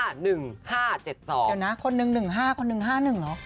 เดี๋ยวนะคนหนึ่ง๑๕คนหนึ่ง๕๑เนอะ